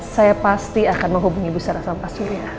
saya pasti akan menghubungi ibu sarah sama pak surya